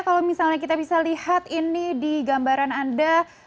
kalau misalnya kita bisa lihat ini di gambaran anda